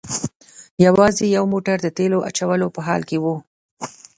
یوازې یو موټر د تیلو اچولو په حال کې و.